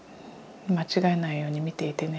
間違えないように見ていてね。